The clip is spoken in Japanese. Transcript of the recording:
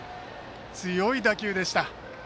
強い打球でした。